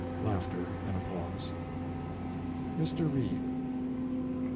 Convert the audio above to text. [Laughter and applause.] MR. REED.